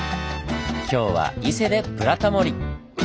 今日は伊勢で「ブラタモリ」！